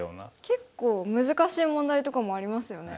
結構難しい問題とかもありますよね。